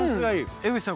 江口さん